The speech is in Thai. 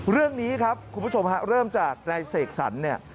เรื่องนี้ครับคุณผู้ชมฮะเริ่มจากนายเสกสรรเนี่ย